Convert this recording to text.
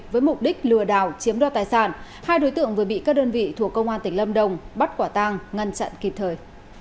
với mục đích lừa đảo chiếm đoạt tài sản hai đối tượng vừa bị các đơn vị thuộc công an tỉnh lâm đồng bắt quả tăng ngăn chặn kịp thời